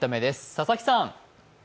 佐々木さん。